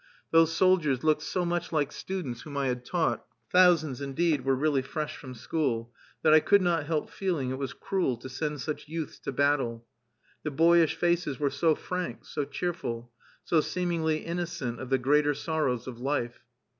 Those soldiers looked so much like students whom I had taught (thousands, indeed, were really fresh from school) that I could not help feeling it was cruel to send such youths to battle. The boyish faces were so frank, so cheerful, so seemingly innocent of the greater sorrows of life!